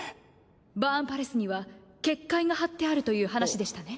バーンパレスには結界が張ってあるという話でしたね。